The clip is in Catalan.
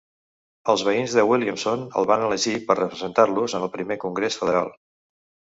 Els veïns de Williamson el van elegir per representar-los en el primer Congrés federal.